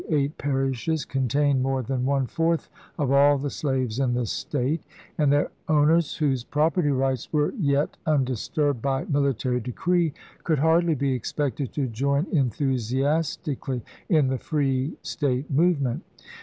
eight parishes, contained more than one fourth of all the slaves in the State, and their owners, whose property rights were yet undisturbed by military decree, could hardly be expected to join enthusi astically in the free State movement.